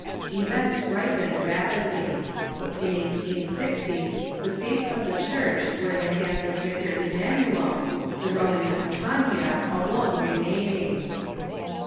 Events ripened rajjidly. In 18G0, the States of the Church were in the hands of Victor Emmanuel, the Roman Campagna alone remaining.